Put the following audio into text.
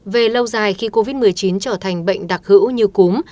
về lâu dài khi covid một mươi chín trở thành bệnh đặc hữu như cúm